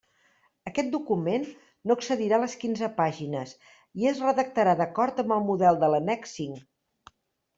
Aquest document no excedirà les quinze pàgines i es redactarà d'acord amb el model de l'annex cinc.